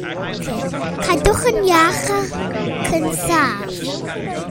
Cadwch yn iach ac yn saff.